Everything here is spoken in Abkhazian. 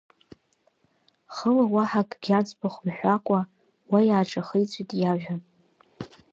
Хыла уаҳа акагьы аӡбахә мҳәакәа уа иааҿахиҵәеит иажәа.